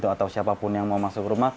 atau siapapun yang mau masuk rumah